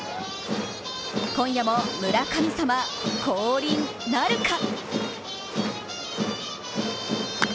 今夜も村神様、降臨なるか。